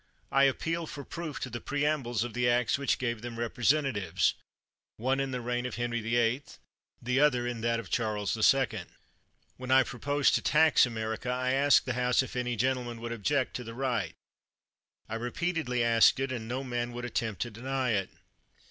I appeal for proof to the preambles of the acts which gave them representatives; one 201 THE WORLD'S FAMOUS ORATIONS in the reign of Henry VIII., the other in that of Charles II. [" When I proposed to tax America I asked the House if any gentleman would object to the right; I repeatedly asked it, and no man would attempt to deny it.